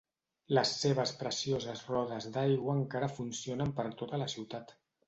Les seves precioses rodes d'aigua encara funcionen per tota la ciutat.